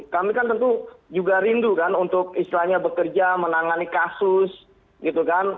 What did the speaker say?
kami kan tentu juga rindu kan untuk istilahnya bekerja menangani kasus gitu kan